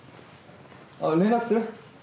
あ連絡する？